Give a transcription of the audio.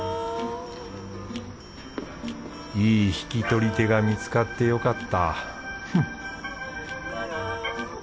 いい引き取り手が見つかってよかったフッ